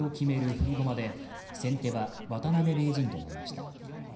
振り駒で先手は渡辺名人となりました。